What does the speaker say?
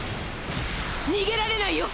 逃げられないよ！